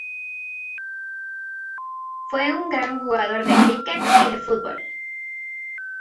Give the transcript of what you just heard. Fue un gran jugador de cricket y de football.